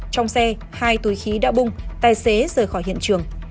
trong xe hai túi khí đã bung tài xế rời khỏi hiện trường